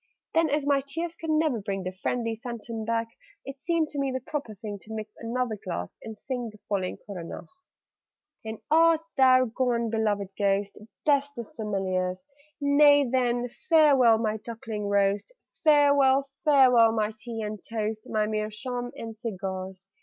Then, as my tears could never bring The friendly Phantom back, It seemed to me the proper thing To mix another glass, and sing The following Coronach. [Illustration: "AND TIBBS WILL HAVE THE BEST OF IT"] '_And art thou gone, beloved Ghost? Best of Familiars! Nay then, farewell, my duckling roast, Farewell, farewell, my tea and toast, My meerschaum and cigars!